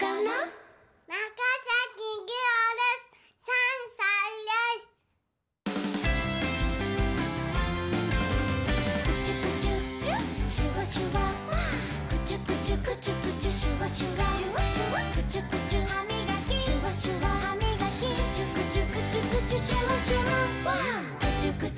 「ファンファンファン」「クチュクチュシュワシュワ」「クチュクチュクチュクチュシュワシュワ」「クチュクチュハミガキシュワシュワハミガキ」「クチュクチュクチュクチュシュワシュワ」「クチュクチュシュワシュワシュワシュワクチュクチュ」